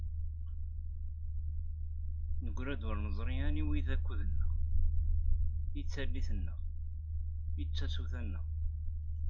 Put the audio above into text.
Negra-d ur neẓri aniwa i d akud-nneɣ, i d tallit-nneɣ, i d tasuta-nneɣ.